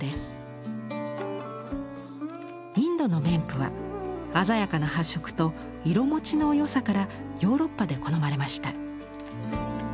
インドの綿布は鮮やかな発色と色もちの良さからヨーロッパで好まれました。